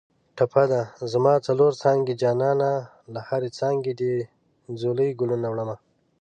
ټپه ده: زما څلور څانګې جانانه له هرې څانګې دې ځولۍ ګلونه وړمه